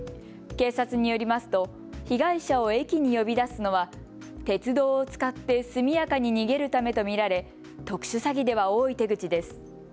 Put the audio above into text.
警察によりますと被害者を駅に呼び出すのは鉄道を使って速やかに逃げるためと見られ特殊詐欺では多い手口です。